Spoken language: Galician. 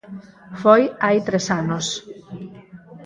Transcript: Foi hai tres anos.